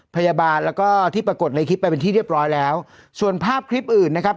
พยาบาลแล้วก็ที่ปรากฏในคลิปไปเป็นที่เรียบร้อยแล้วส่วนภาพคลิปอื่นนะครับ